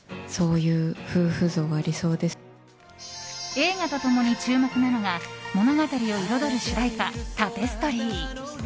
映画と共に注目なのが物語を彩る主題歌「タペストリー」。